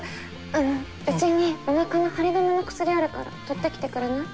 あのうちにおなかの張り止めの薬あるから取ってきてくれない？